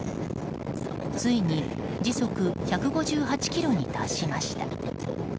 ついに時速１５８キロに達しました。